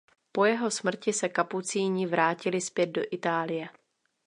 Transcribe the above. Po jeho smrti se kapucíni vrátili zpět do Itálie.